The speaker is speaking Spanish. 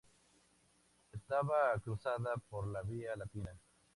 Estaba cruzada por la Vía Latina.